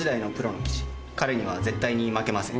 彼には絶対に負けません。